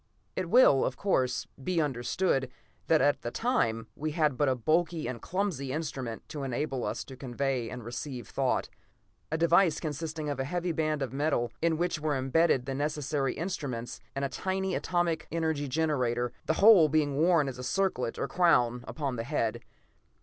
It will, of course, be understood that at that time we had but a bulky and clumsy instrument to enable us to convey and receive thought; a device consisting of a heavy band of metal, in which were imbedded the necessary instruments and a tiny atomic energy generator, the whole being worn as a circlet or crown upon the head.